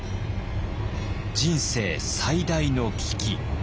人生最大の危機。